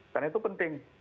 karena itu penting